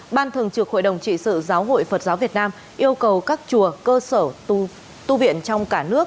ban thường trực hội đồng trị sự giáo hội phật giáo việt nam yêu cầu các chùa cơ sở tu viện trong cả nước